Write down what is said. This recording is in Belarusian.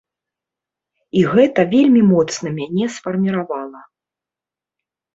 І гэта вельмі моцна мяне сфарміравала.